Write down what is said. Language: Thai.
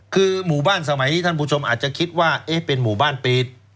คือหมู่บ้านสมัยนี้ท่านผู้ชมอาจจะคิดว่าเป็นหมู่บ้านปิด